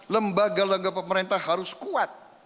lembaga lembaga pemerintah harus kuat